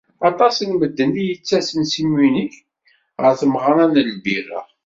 Aṭas n medden i d-yettasen si Munich ɣer tmeɣra n lbira.